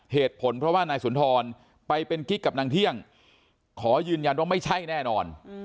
เหตุผลเพราะว่านายสุนทรไปเป็นกิ๊กกับนางเที่ยงขอยืนยันว่าไม่ใช่แน่นอน